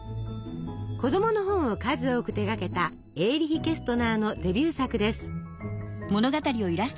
子どもの本を数多く手がけたエーリヒ・ケストナーのデビュー作です。